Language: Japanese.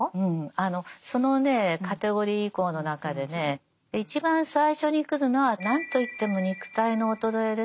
あのそのねカテゴリ移行の中でね一番最初に来るのは何といっても肉体の衰えですね。